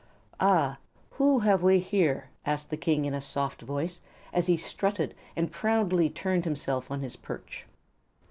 "Ah, whom have we here?" asked the King, in a soft voice, as he strutted and proudly turned himself upon his perch.